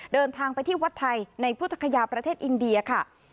เดินทางไปที่วัดไทยในพุทธคยาประเทศอินเดียค่ะ